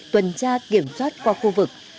tuần tra kiểm soát qua khu vực